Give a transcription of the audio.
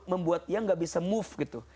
membuat dia gak bisa move gitu